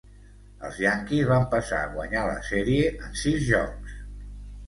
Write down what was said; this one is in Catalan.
Els Yankees van passar a guanyar la sèrie en sis jocs.